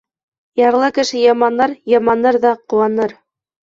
Ярлы кеше яманыр, яманыр ҙа ҡыуаныр.